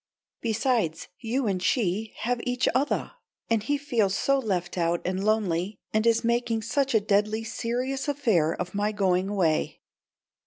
Besides you and she have each othah, and he feels so left out and lonely and is making such a deadly serious affair of my going away."